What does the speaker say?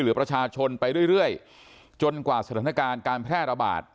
เหลือประชาชนไปเรื่อยจนกว่าสถานการณ์การแพร่ระบาด